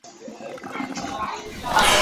冬季温暖。